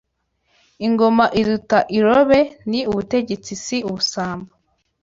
Ingoma iruta irobe ni Ubutegetsi si ubusambo